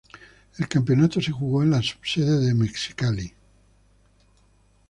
El campeonato se jugó en la subsede de Mexicali.